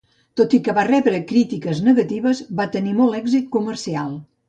Tot i que va rebre crítiques negatives, va tenir molt èxit comercial.